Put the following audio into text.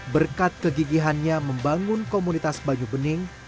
berkat kegigihannya membangun komunitas banyu bening